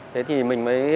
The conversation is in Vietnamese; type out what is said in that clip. thế thì mình mới